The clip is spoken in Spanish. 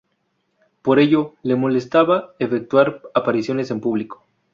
Por ello, le molestaba efectuar apariciones en público.